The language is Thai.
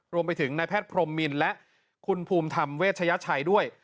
รวมไปถึงนายแพทย์พรมมินและคุณภูมิธรรมเวชยชัยด้วย